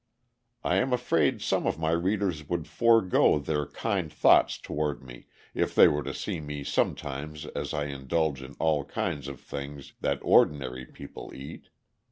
I am afraid some of my readers would forego their kind thoughts towards me if they were to see me sometimes as I indulge in all kinds of things that "ordinary people" eat.